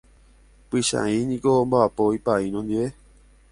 Pychãi niko omba'apo ipaíno ndive.